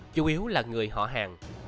chủ yếu là người họ hàng